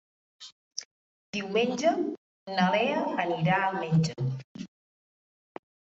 Diumenge na Lea anirà al metge.